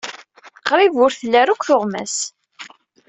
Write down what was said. Qrib ur tli ara akk tuɣmas.